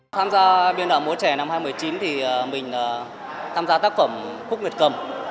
tham gia biên đạo múa trẻ năm hai nghìn một mươi chín thì mình tham gia tác phẩm khúc nguyệt cầm